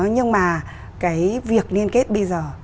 nhưng mà cái việc liên kết bây giờ